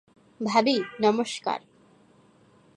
ভাবি, নমষ্কার।